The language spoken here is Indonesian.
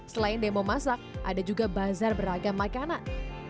selain demo masak ada juga bazar beragam makanan